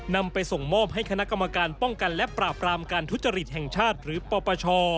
นำไปส่งมอบให้คณะกรรมการป้องกันและปราบรามการทุจริตแห่งชาติหรือปปช